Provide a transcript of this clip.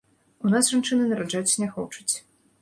У нас жанчыны нараджаць не хочуць.